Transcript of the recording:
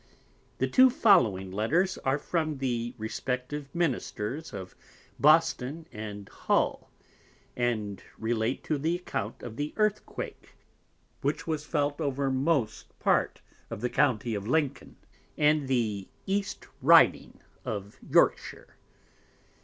The two following Letters are from the respective Ministers of Boston and Hull, and relate to the Account of the Earthquake, which was felt over most part of the County of Lincoln and the East Riding of Yorkshire.